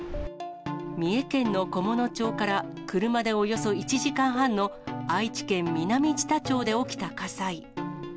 三重県の菰野町から車でおよそ１時間半の愛知県南知多町で起きた火災。